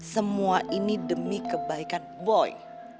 semua ini demi kebaikan boy